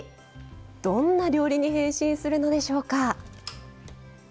どんな料理に変身するのでしょうか。